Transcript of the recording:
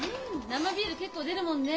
生ビール結構出るもんね。